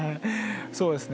そうですね